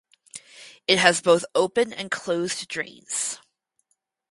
It has both open and closed drains.